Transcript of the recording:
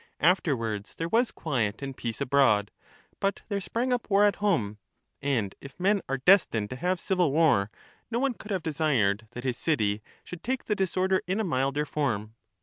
Afterwards there was quiet and peace abroad, but there sprang up war at home ; and, if men are destined to have civil war, no one could have desired that his city should take the disorder in a milder form.